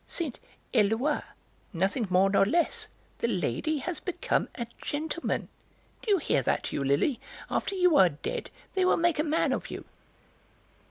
Saint Eloi, nothing more nor less! The lady has become a gentleman. Do you hear that, Eulalie, after you are dead they will make a man of you!"